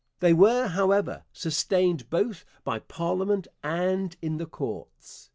They were, however, sustained both by parliament and in the courts.